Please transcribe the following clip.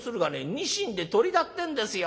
ニシンでトリだってんですよ。